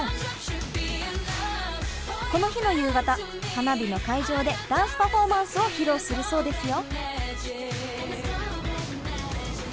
この日の夕方花火の会場でダンスパフォーマンスを披露するそうですよ。